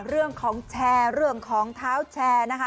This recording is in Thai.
เรื่องของแชร์เรื่องของเท้าแชร์นะคะ